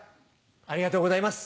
ありがとうございます。